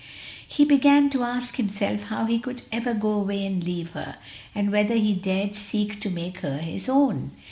He began to ask himself how he could ever go away and leave her, and whether he dared seek to make her his own.